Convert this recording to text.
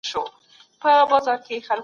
که تمرین سوی وي نو مهارت نه خرابېږي.